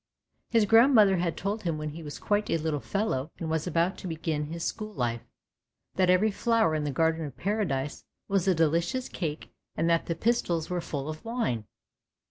His grandmother had told him when he was quite a little fellow and was about to begin his school life, that every flower in the Garden of Paradise was a delicious cake, and that the pistils were full of wine.